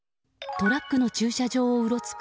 トラックの駐車場をうろつく